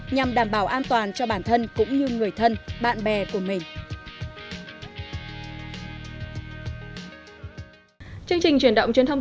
nhằm đảm bảo an toàn cho bản thân cũng như người thân bạn bè của mình